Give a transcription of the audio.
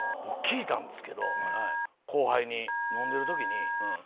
僕聞いたんですけど後輩に飲んでる時に。